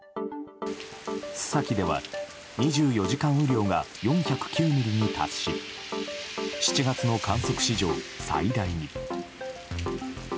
須崎では、２４時間雨量が４０９ミリに達し７月の観測史上最大に。